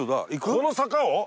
この坂を？